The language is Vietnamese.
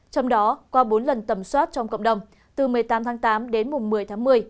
trong đó qua bốn lần tầm soát trong cộng đồng từ một mươi tám tháng tám đến mùng một mươi tháng một mươi